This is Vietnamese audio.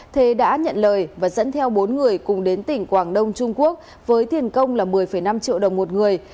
thế đã nhận lời và dẫn theo bốn người cùng đến tỉnh quảng đông trung quốc với tiền công là một mươi năm triệu đồng một người